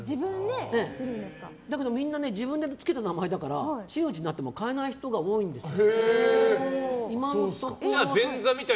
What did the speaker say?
だけどみんな自分でつけた名前だから真打ちでも変えない人が多いんですよ。